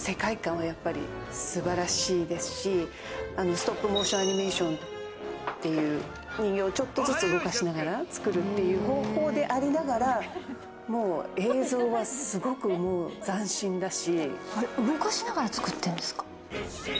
ストップモーションアニメーションっていう人形をちょっとずつ動かしながら作るっていう方法でありながらもう映像は、すごく斬新だし。